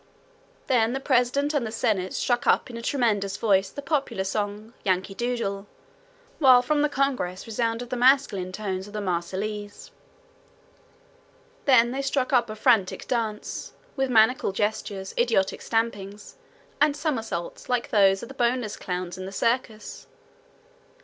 Then the president and the senate struck up in a tremendous voice the popular song "Yankee Doodle," while from the congress resounded the masculine tones of the "Marseillaise." Then they struck up a frantic dance, with maniacal gestures, idiotic stampings, and somersaults like those of the boneless clowns in the circus.